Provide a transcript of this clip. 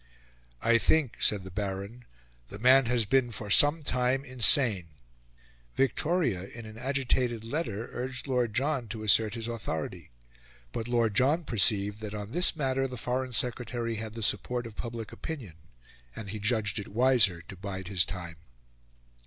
"I think," said the Baron, "the man has been for some time insane." Victoria, in an agitated letter, urged Lord John to assert his authority. But Lord John perceived that on this matter the Foreign Secretary had the support of public opinion, and he judged it wiser to bide his time.